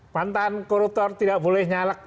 pantan koruptor tidak boleh nyalak